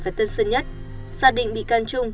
và tân dân nhất gia đình bị can trung